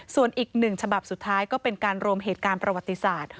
ส่วนอีกหนึ่งฉบับสุดท้ายก็เป็นการรวมเหตุการณ์ประวัติศาสตร์